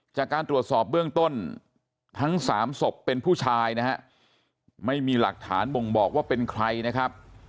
จากการตรวจสอบเบื้องต้นทั้ง๓ศพเป็นผู้ชายนะฮะไม่มีหลักฐานบ่งบอกว่าเป็นใครนะครับ